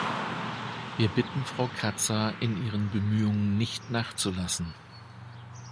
Wir bitten Frau Kratsa, in ihren Bemühungen nicht nachzulassen.